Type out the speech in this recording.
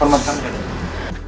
hormat kami raden